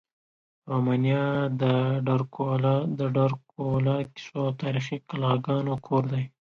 رومانیا د ډرکولا کیسو او تاریخي قلاګانو کور دی.